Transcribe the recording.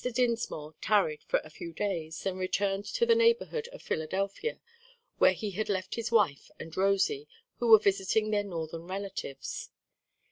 Dinsmore tarried for a few days, then returned to the neighborhood of Philadelphia, where he had left his wife and Rosie, who were visiting their northern relatives.